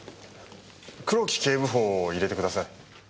黒木警部補を入れてください。